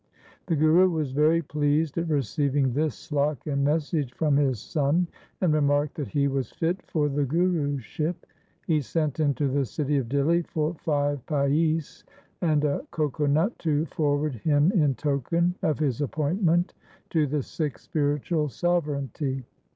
1 The Guru was very pleased at receiving this slok and message from his son, and remarked that he was fit for the Guruship. He sent into the city of Dihli for five paise and a coco nut to forward him in token of his appointment to the Sikh spiritual sovereignty.